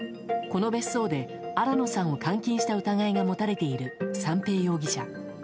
この別荘で新野さんを監禁した疑いが持たれている三瓶容疑者。